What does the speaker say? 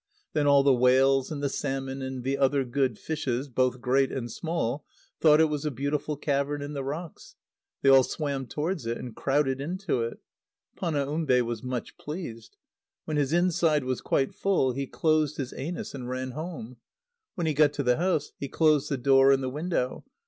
Then all the whales and the salmon and the other good fishes, both great and small, thought it was a beautiful cavern in the rocks. They all swam towards it, and crowded into it. Panaumbe was much pleased. When his inside was quite full, he closed his anus and ran home. When he got to the house, he closed the door and the window.